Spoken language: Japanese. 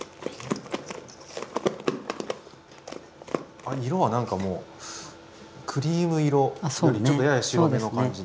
あ色は何かもうクリーム色よりちょっとやや白めの感じで。